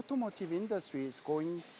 seluruh industri otomotif ini